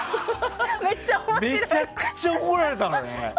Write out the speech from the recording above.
めちゃくちゃ怒られたんだよね。